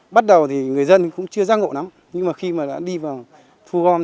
bắt đầu thì người dân cũng chưa giang ngộ lắm nhưng mà khi mà đã đi vào thu gom